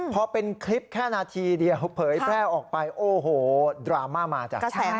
พอเป็นคลิปแค่นาทีเดียวเผยแพร่ออกไปโอ้โหดราม่ามาจ้ะ